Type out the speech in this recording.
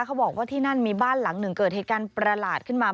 เขาบอกว่าที่นั่นมีบ้านหลังหนึ่งเกิดเหตุการณ์ประหลาดขึ้นมา